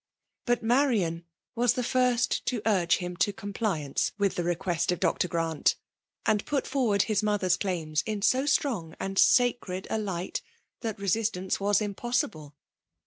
But Marian was the first to urge him to compli* ance with the request of Dr. Grant ; and put forward his mother's claims in so strong and sacred a light, that resistance was impossible.